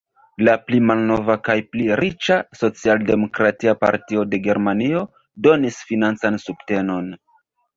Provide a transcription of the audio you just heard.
La pli malnova kaj pli riĉa Socialdemokratia Partio de Germanio donis financan subtenon.